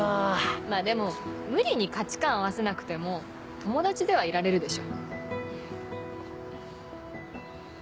まぁでも無理に価値観合わせなくても友達ではいられるでしょ。